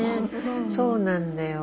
そうなんだよ。